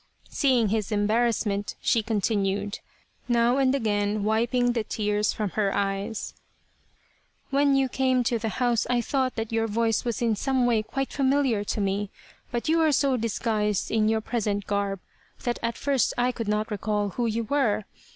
Seeing his embarrassment she continued, now and again wiping the tears from her eyes :" When you came to the house I thought that your voice was in some way quite familiar to me, but you are so dis guised in your present garb that at first I could not recall who you were.